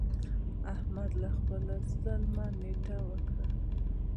احمد له خپله ظلمه نټه وکړه.